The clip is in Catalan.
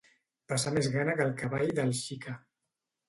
Passar més gana que el cavall del Xica.